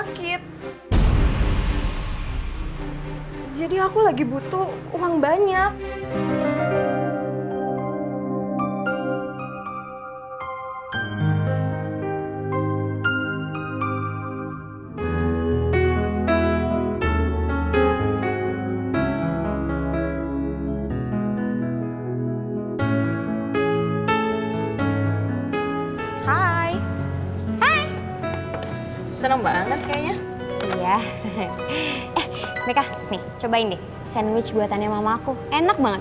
hai hai seneng banget kayaknya ya eh mereka cobain sandwich buatannya mamah aku enak banget